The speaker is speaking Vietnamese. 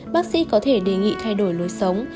bác sĩ có thể đề nghị thay đổi lối sống